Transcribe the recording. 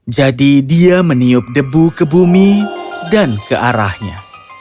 jadi dia meniup debu ke bumi dan ke arahnya